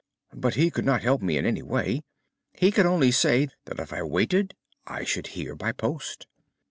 But he could not help me in any way. He could only say that if I waited I should hear by post.